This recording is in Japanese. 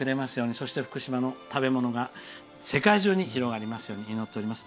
そして福島の食べ物が世界中に広がりますように祈っております。